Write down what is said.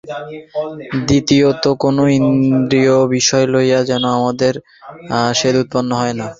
দ্বিতীয়ত কোন ইন্দ্রিয়-বিষয় লইয়া যেন আমাদের দ্বেষ উৎপন্ন না হয়।